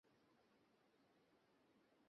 তোমার student ID দেখাও।